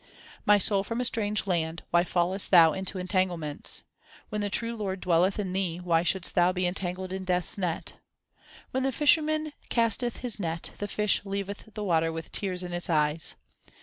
My soul from a strange land, 4 why fallest thou into entanglements ? When the true Lord dwelleth in thee, why shouldst thou be entangled in Death s net ? When the fisherman casteth his net, the fish leaveth the water with tears in its eyes.